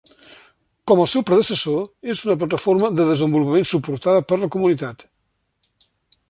Com el seu predecessor, és una plataforma de desenvolupament suportada per la comunitat.